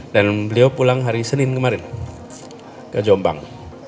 dan beliau pulang hari senin kemarin ke jombang